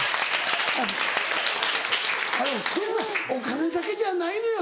あのそんなお金だけじゃないのよ